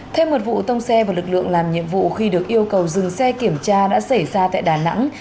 thêm một vụ tông xe vào lực lượng làm nhiệm vụ khi được yêu cầu dừng xe kiểm tra đã xảy ra tại đà nẵng